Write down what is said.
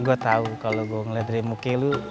gue tau kalau gue ngeliat dari muka lu